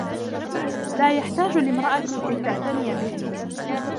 لا يحتاج لامرأة كي تعتني به.